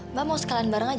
mbak mau sekalian bareng aja